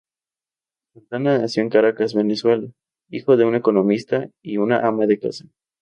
Santana nació en Caracas, Venezuela, hijo de un economista y una ama de casa.